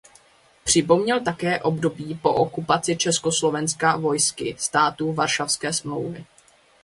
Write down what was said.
Připomněl také období po okupaci Československa vojsky států Varšavské smlouvy.